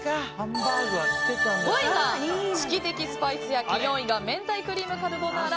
５位がチキテキスパイス焼き４位が明太クリームカルボナーラ。